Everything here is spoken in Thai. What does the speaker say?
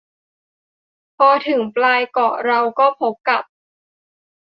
พอถึงปลายเกาะเราก็พบกับ